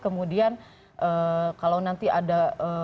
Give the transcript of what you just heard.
kemudian kalau nanti ada